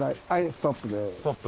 ストップ。